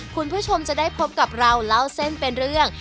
คุณผู้ชมจะได้พบกับเราเล่าเส้นเป็นเรื่อง